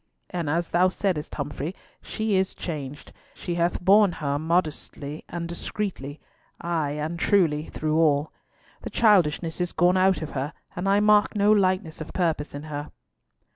And as thou saidst, Humfrey, she is changed. She hath borne her modestly and discreetly, ay and truly, through all. The childishness is gone out of her, and I mark no lightness of purpose in her."